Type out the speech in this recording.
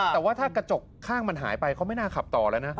แต่ว่าถ้ากระจกข้างมันหายไปเขาไม่น่าขับต่อแล้วนะ